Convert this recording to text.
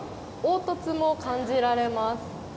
凹凸も感じられます。